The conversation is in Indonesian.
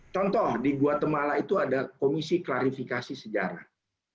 contoh di guatemala itu ada komisi klarifikasi sejarah